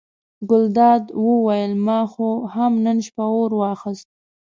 ګلداد وویل ما خو هم نن شپه اور واخیست.